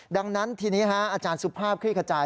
ดังนั้นทีนี้อาจารย์สุภาพคลี่ขจาย